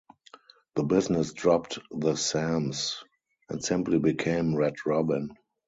The business dropped the "Sam's" and simply became Red Robin.